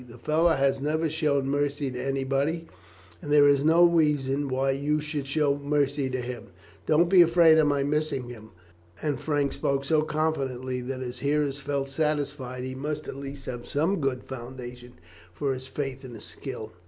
The fellow has never shown mercy to anyone, and there is no reason why you should show mercy to him." "Don't be afraid of my missing him." And Frank spoke so confidently that his hearers felt satisfied he must at least have some good foundation for his faith in his skill.